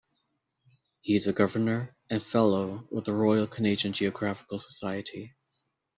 He is a Governor and Fellow of the Royal Canadian Geographical Society.